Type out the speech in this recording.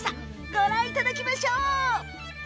ご覧いただきましょう。